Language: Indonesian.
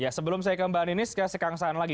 ya sebelum saya kembali nih saya kasih kongsahan lagi